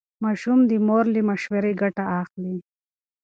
ماشوم د مور له مشورې ګټه اخلي.